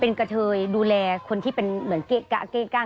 เพื่อที่จะได้หายป่วยทันวันที่เขาชีจันทร์จังหวัดชนบุรี